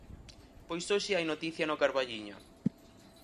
Pois hoxe hai noticia no Carballiño.